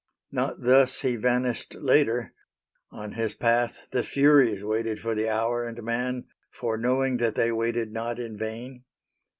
Not thus he vanished later! On his path The Furies waited for the hour and man, Foreknowing that they waited not in vain.